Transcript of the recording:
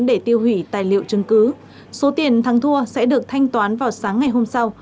để tiêu hủy tài liệu chứng cứ số tiền thắng thua sẽ được thanh toán vào sáng ngày hôm sau